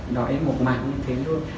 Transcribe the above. nói mộc mạng như thế luôn